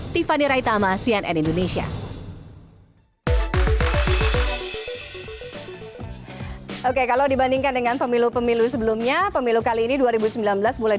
tiffany raitama cnn indonesia